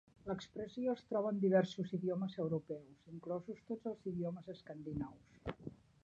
L'expressió es troba en diversos idiomes europeus, inclosos tots els idiomes escandinaus.